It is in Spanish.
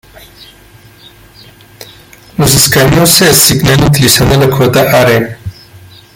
Los escaños se asignan utilizando la cuota Hare.